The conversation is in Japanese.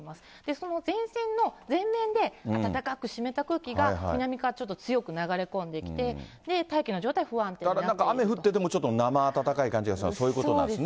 その前線の前面で、暖かく湿った空気が南からちょっと強く流れ込んできて、なんか雨降ってても、ちょっと生暖かい感じがするのは、そうですね。